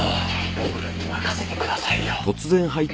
僕らに任せてくださいよ。